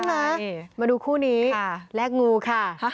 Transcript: มาดูคู่นี้แลกงูค่ะ